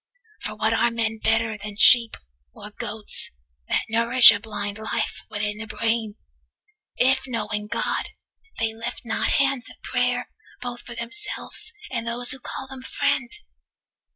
For what are men better than sheep or goats 250 That nourish a blind life within the brain, If, knowing God, they lift not hands of prayer Both for themselves and those who call them friend?